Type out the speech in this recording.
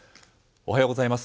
おはようございます。